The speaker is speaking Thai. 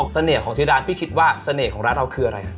เสน่ห์ของที่ร้านพี่คิดว่าเสน่ห์ของร้านเราคืออะไร